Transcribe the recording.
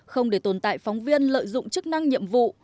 không để tồn tại phóng viên lợi dụng chức năng nhiệm vụ